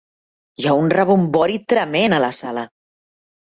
Hi ha un rebombori tremend a la sala.